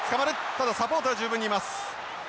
ただサポートは十分にいます。